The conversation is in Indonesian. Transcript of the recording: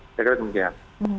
saya kira demikian